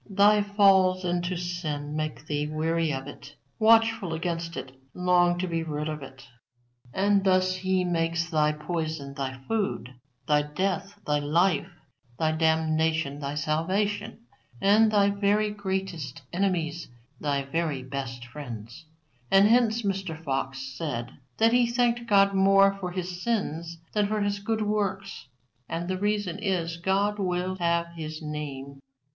Thy falls into sin make thee weary of it, watchful against it, long to be rid of it. And thus He makes thy poison thy food, thy death thy life, thy damnation thy salvation, and thy very greatest enemies thy very best friends. And hence Mr. Fox said that he thanked God more for his sins than for his good works. And the reason is, God will have His name."